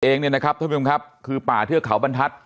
เองเนี่ยนะครับทุกคนดูนะครับคือป่าเจือกเขาบรรทัด